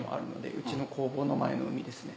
うちの工房の前の海ですね